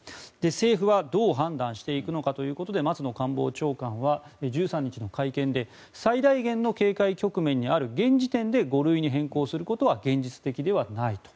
政府はどう判断していくのかということで松野官房長官は１３日の会見で最大限の警戒局面にある現時点で５類に変更することは現実的ではないと。